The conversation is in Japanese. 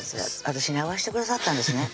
私に合わしてくださったんですね